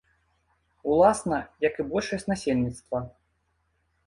Уласна, як і большасць насельніцтва.